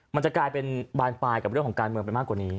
มันจะกลายเป็นบานปลายกับเรื่องของการเมืองไปมากกว่านี้